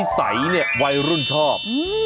ใสเนี่ยวัยรุ่นชอบ